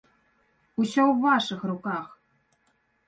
Усё ў вашых руках!